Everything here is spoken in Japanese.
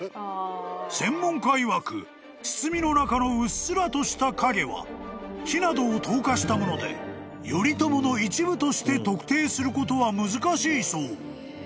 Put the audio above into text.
［専門家いわく包みの中のうっすらとした影は木などを透過したもので頼朝の一部として特定することは難しいそう］